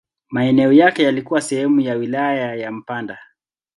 Maeneo yake yalikuwa sehemu ya wilaya ya Mpanda.